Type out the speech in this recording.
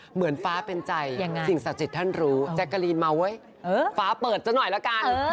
เหมือนฟ้าเป็นใจสิ่งศักดิ์สิทธิ์ท่านรู้แจ๊กกะลีนมาเว้ยฟ้าเปิดซะหน่อยละกัน